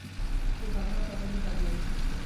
এই সাধনাতে এতদিন কাটিয়েছি।